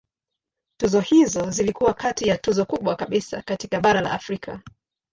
Tuzo hizo zilikuwa kati ya tuzo kubwa kabisa katika bara la Afrika.